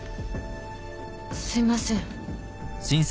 すいません。